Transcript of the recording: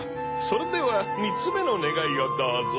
それでは３つめのねがいをどうぞ。